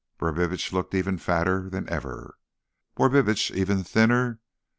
Brubitsch looked even fatter than ever, Borbitsch even thinner.